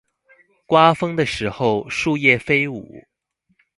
刮風的時候樹葉飛舞